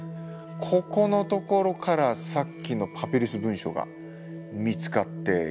ここのところからさっきのパピルス文書が見つかっています。